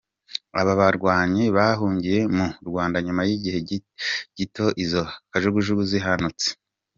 Aba barwanyi bahungiye mu Rwanda nyuma y’igihe gito izo kajugujugu zihanutse.